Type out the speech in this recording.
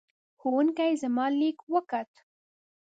ښوونکې زما لیک وکوت.